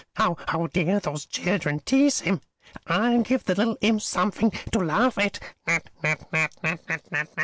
How dare those children tease him! I'll give the little imps something to laugh at!"